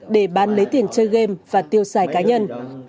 để bán lấy tiền chơi game và tiêu xài cá nhân